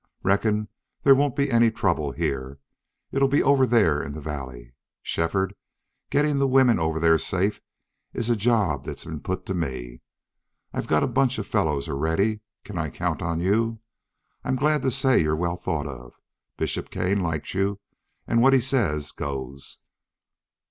Reckon there won't be any trouble here. It'll be over there in the valley. Shefford, getting the women over there safe is a job that's been put to me. I've got a bunch of fellows already. Can I count on you? I'm glad to say you're well thought of. Bishop Kane liked you, and what he says goes."